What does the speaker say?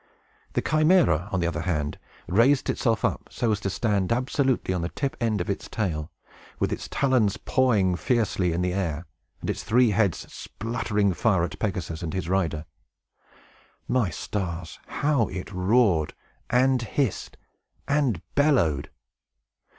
The Chimæra, on the other hand, raised itself up so as to stand absolutely on the tip end of its tail, with its talons pawing fiercely in the air, and its three heads spluttering fire at Pegasus and his rider. My stars, how it roared, and hissed, and bellowed!